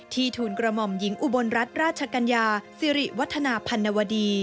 ทูลกระหม่อมหญิงอุบลรัฐราชกัญญาสิริวัฒนาพันนวดี